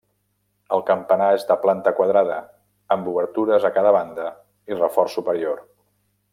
El campanar és de planta quadrada amb obertures a cada banda i reforç superior.